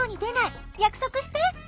やくそくして。